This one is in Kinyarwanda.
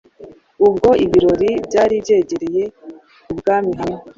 Ubwo ibirori byari byegereye ibwami hamwe